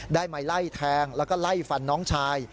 ได้มาไล่แทงแล้วก็ไล่ฟันน้องชาย